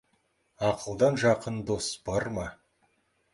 Ақылдан жақын дос бар ма?